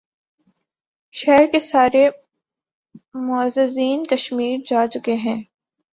شہر کے سارے معززین کشمیر جا چکے ہیں۔